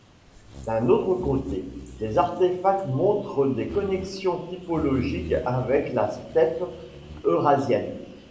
D'un autre côté, les artéfacts montrent des connexions typologiques avec la steppe Eurasienne.